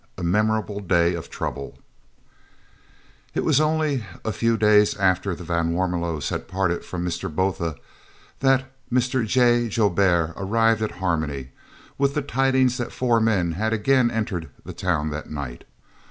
A MEMORABLE DAY OF TROUBLE It was only a few days after the van Warmelos had parted from Mr. Botha that Mr. J. Joubert arrived at Harmony with the tidings that four men had again entered the town that night.